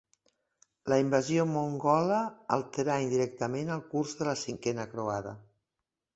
La invasió mongola alterà indirectament el curs de la cinquena croada.